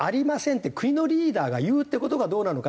って国のリーダーが言うっていう事がどうなのか。